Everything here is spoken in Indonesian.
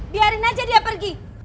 biarin aja dia pergi